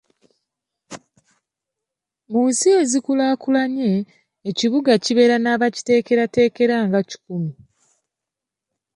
Mu nsi ezikulaakulanye, ekibuga kibeera n'abakiteekerateekera nga kikumi.